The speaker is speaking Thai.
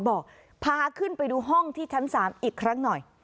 พาขึ้นไปดูห้องที่ชั้น๓อีกครั้งหน่อย